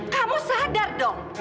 kamu sadar dong